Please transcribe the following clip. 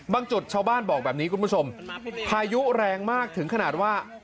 จุดชาวบ้านบอกแบบนี้คุณผู้ชมพายุแรงมากถึงขนาดว่า